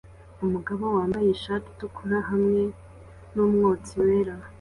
Umugabo wambaye ishati itukura hamwe numwotsi wera